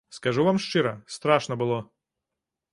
Скажу вам шчыра, страшна было.